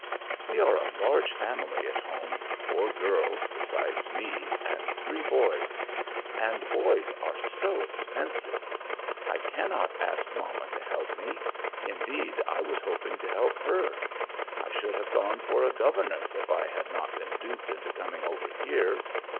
"We are a large family at home four girls besides me, and three boys; and boys are so expensive. I cannot ask mamma to help me; indeed, I was hoping to help her. I should have gone for a governess if I had not been duped into coming over here.